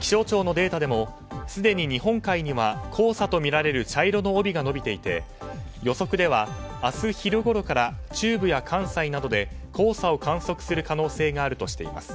気象庁のデータでもすでに日本海には黄砂とみられる茶色の帯が延びていて、予測では明日昼ごろから中部や関西などで黄砂を観測する可能性があるとしています。